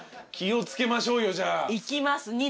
気を付けましょうよじゃあ。いきます。